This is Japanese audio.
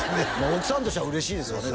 奥さんとしては嬉しいですよね